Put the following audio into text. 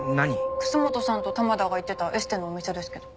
楠本さんと玉田が行ってたエステのお店ですけど。